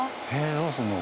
どうするの？